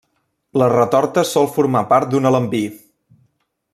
La retorta sol formar part d'un alambí.